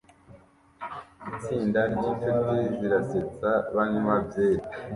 Itsinda ryinshuti zirasetsa banywa byeri